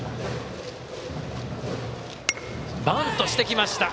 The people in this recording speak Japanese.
バントしてきました！